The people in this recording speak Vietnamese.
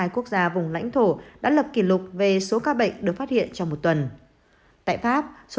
hai quốc gia vùng lãnh thổ đã lập kỷ lục về số ca bệnh được phát hiện trong một tuần tại pháp số